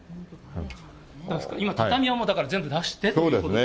今、畳はもう、だから全部出してということですね。